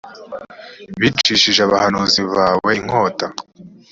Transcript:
bicishije abahanuzi bawe inkota